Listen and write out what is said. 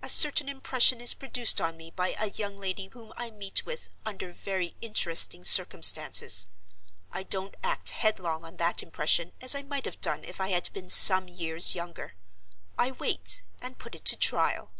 A certain impression is produced on me by a young lady whom I meet with under very interesting circumstances. I don't act headlong on that impression, as I might have done if I had been some years younger; I wait, and put it to the trial.